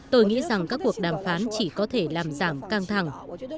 tôi nghĩ rằng các cuộc đàm phán chỉ có thể làm giảm căng thẳng